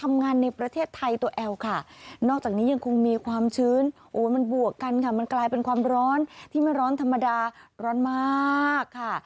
มันกลายเป็นความร้อนที่ไม่ร้อนธรรมดาร้อนมากค่ะ